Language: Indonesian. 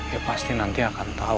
ya pasti nanti akan tahu